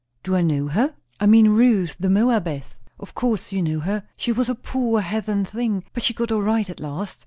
"Do I know her?" "I mean Ruth the Moabitess. Of course you know her. She was a poor heathen thing, but she got all right at last.